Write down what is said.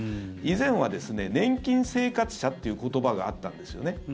以前は年金生活者という言葉があったんですよね。